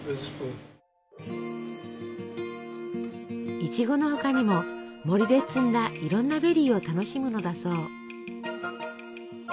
いちごの他にも森で摘んだいろんなベリーを楽しむのだそう。